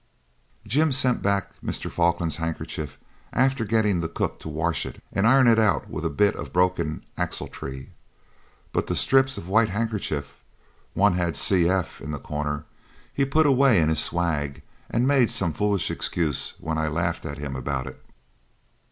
Jim sent back Mr. Falkland's handkerchief after getting the cook to wash it and iron it out with a bit of a broken axletree; but the strips of white handkerchief one had C. F. in the corner he put away in his swag, and made some foolish excuse when I laughed at him about it.